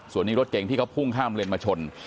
ส่วนนี้รถเก่งที่เขาพุ่งข้ามเลนมาชน